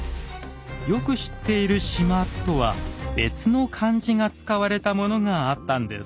よく知っている「縞」とは別の漢字が使われたものがあったんです。